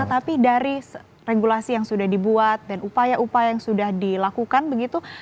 tapi dari regulasi yang sudah dibuat dan upaya upaya yang sudah dilakukan begitu